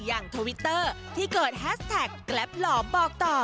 ทวิตเตอร์ที่เกิดแฮสแท็กแกรปหล่อบอกต่อ